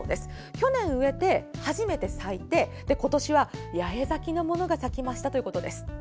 去年植えて初めて咲いて今年は八重咲きのものが咲きましたということです。